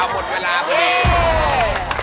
เอาหมดเวลากันเอง